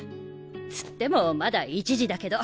つってもまだ１次だけど。